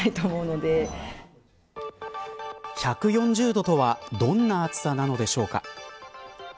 １４０度とはどんな暑さなんでしょうか。